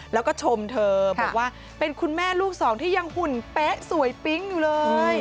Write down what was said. แล้วก็ชมเธอบอกว่าเป็นคุณแม่ลูกสองที่ยังหุ่นเป๊ะสวยปิ๊งอยู่เลย